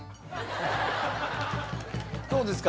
どうですか？